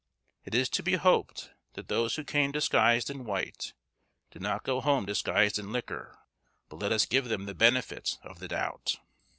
It is to be hoped that those who came disguised in white did not go home disguised in liquor; but let us give them the benefit of the doubt.